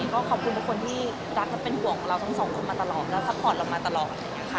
ก็ขอบคุณทุกคนที่รักและเป็นห่วงของเราทั้งสองคนมาตลอดและพักผ่อนเรามาตลอด